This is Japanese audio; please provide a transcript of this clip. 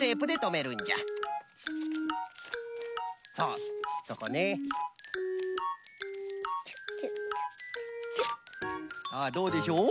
さあどうでしょう？